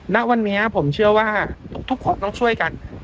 ณวันนี้ผมเชื่อว่าทุกคนต้องช่วยกัน